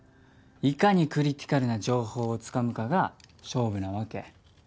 いかにクリティカルな情報をつかむかが勝負なわけ。